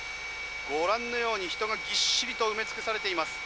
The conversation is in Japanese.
ご覧のように、人がぎっしりと埋め尽くされています。